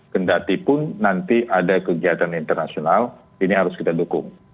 kendatipun nanti ada kegiatan internasional ini harus kita dukung